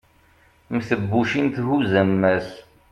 mm tebbucin thuzz ammas